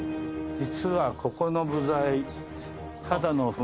実はここの部材。